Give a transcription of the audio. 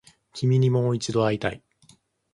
君にもう一度会いたい